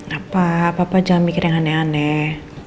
gapaa papa jangan mikir yang aneh aneh